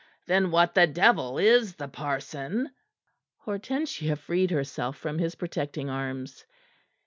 "Then what the devil is the parson?" Hortensia freed herself from his protecting arms.